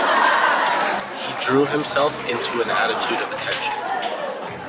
He drew himself into an attitude of attention.